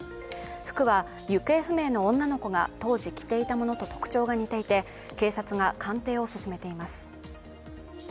服は行方不明の女の子が当時着ていたものと特徴が似ていて警察が鑑定を進めています。